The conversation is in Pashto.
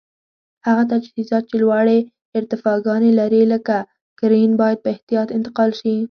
هغه تجهیزات چې لوړې ارتفاګانې لري لکه کرېن باید په احتیاط انتقال شي.